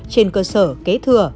trên cơ sở kế thừa